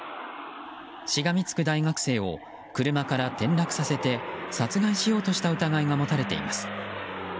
しがみつく大学生を車から転落させて殺害しようとした疑いが持たれています。